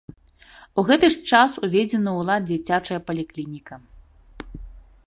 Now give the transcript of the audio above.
У гэты ж час уведзена ў лад дзіцячая паліклініка.